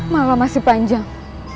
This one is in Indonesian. malah masih panjang